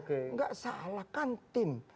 enggak salah kan tim